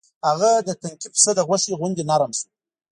هغه د تنکي پسه د غوښې غوندې نرم شو.